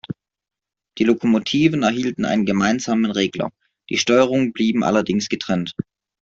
Die Lokomotiven erhielten einen gemeinsamen Regler, die Steuerungen blieben allerdings getrennt.